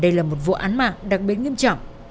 đây là một vụ án mạng đặc biệt nghiêm trọng